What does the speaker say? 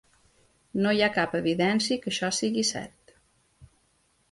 No hi ha cap evidència que això sigui cert.